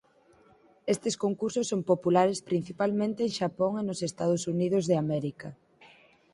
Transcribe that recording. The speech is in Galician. Estes concursos son populares principalmente en Xapón e nos Estados Unidos de América.